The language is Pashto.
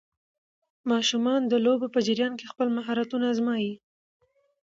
ماشومان د لوبو په جریان کې خپل مهارتونه ازمويي.